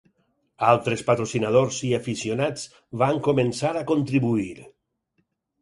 Altres patrocinadors i aficionats van començar a contribuir.